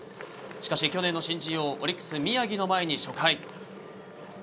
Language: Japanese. しかし去年の新人王オリックス、宮城の前に初回。